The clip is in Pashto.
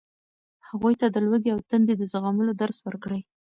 هغوی ته د لوږې او تندې د زغملو درس ورکړئ.